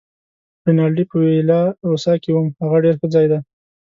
رینالډي: په ویلا روسا کې وم، هغه ډېر ښه ځای دی.